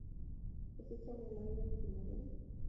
Tos, ichame maywek chengering?